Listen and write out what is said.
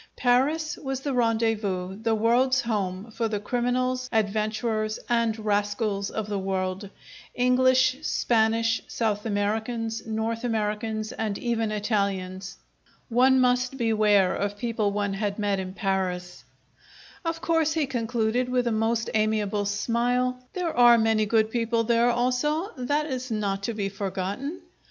Paris was the rendezvous, the world's home, for the criminals, adventurers, and rascals if the world, English, Spanish, South Americans, North Americans, and even Italians! One must beware of people one had met in Paris! "Of course," he concluded, with a most amiable smile, "there are many good people there also. That is not to be forgotten.